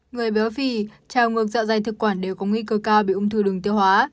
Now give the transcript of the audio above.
người béo phì trào ngược dạ dày thực quản đều có nguy cơ cao bị ung thư đường tiêu hóa